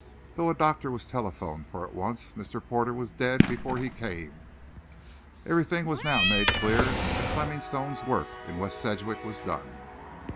Though a doctor was telephoned for at once, Mr. Porter was dead before he came. Everything was now made clear, and Fleming Stone's work in West Sedgwick was done.